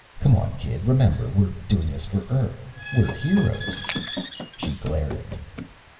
"Come on, kid. Remember we're doing this for Earth. We're heroes." She glared at me.